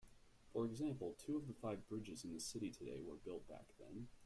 For example, two of the five bridges in the city today were built back then.